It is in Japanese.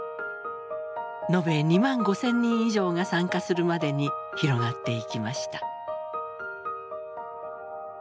延べ２万５，０００人以上が参加するまでに広がっていきました。